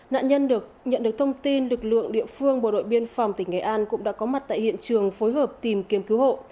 nạn nhân được nhận được thông tin lực lượng địa phương bộ đội biên phòng tỉnh nghệ an cũng đã có mặt tại hiện trường phối hợp tìm kiếm cứu hộ